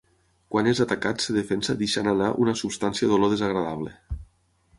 Quan és atacat es defensa deixant anar una substància d'olor desagradable.